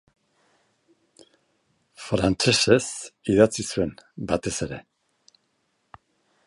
Frantsesez idatzi zuen, batez ere.